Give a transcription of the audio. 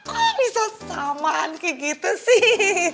ah bisa samaan kayak gitu sih